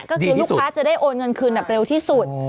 ก็คือลูกค้าจะได้โอนเงินคืนแบบเร็วที่สุด